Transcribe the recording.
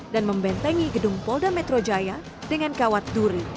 dan membentengi gedung polda metro jaya dengan kawat duri